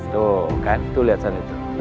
tuh kan tuh liat sana tuh